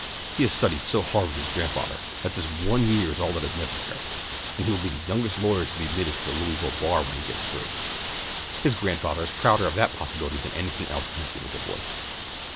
He has studied so hard with his grandfather that this one year is all that is necessary, and he will be the youngest lawyer to be admitted to the Louisville bar when he gets through. His grandfather is prouder of that possibility than anything else connected with the boy."